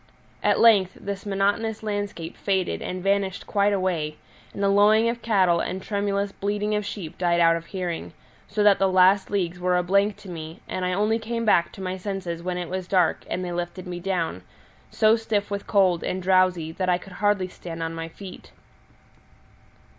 At length this monotonous landscape faded and vanished quite away, and the lowing of cattle and tremulous bleating of sheep died out of hearing, so that the last leagues were a blank to me, and I only came back to my senses when it was dark and they lifted me down, so stiff with cold and drowsy that I could hardly stand on my feet.